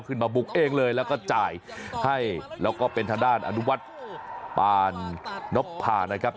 ขึ้นมาบุกเองเลยแล้วก็จ่ายให้แล้วก็เป็นทางด้านอนุวัฒน์ปานนพพานะครับ